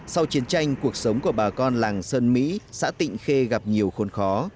sau chiến tranh cuộc sống của bà con làng sơn mỹ xã tịnh khê gặp nhiều khốn khó